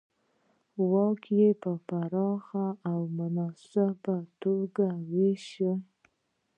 واک یې په پراخه او مناسبه توګه وېشه